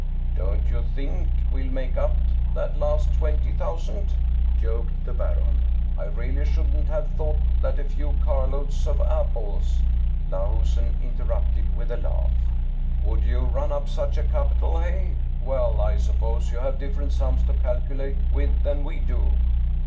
" Don't you think we'll make up that last twenty thou sand? " joked the Baron. " I really shouldn't have thought that a few carloads of apples " Lahusen interrupted with a laugh. " Would run up such a capital, hey ? Well, I suppose you have different sums to calculate with than we do."